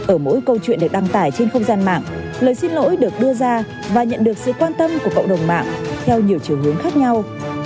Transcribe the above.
ở mỗi câu chuyện được đăng tải trên không gian mạng lời xin lỗi được đưa ra và nhận được sự quan tâm của cộng đồng mạng theo nhiều chiều hướng khác nhau